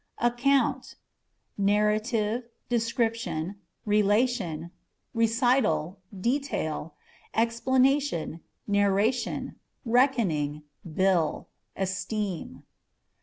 Account â€" narrative, description, relation, recital, detail, ex planation, narration ; reckoning, bill ; esteem.